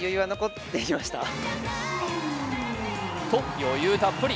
と、余裕たっぷり。